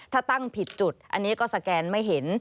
ถ้าตั้งผิดจุดอันนี้ก็สแกนไม่เห็น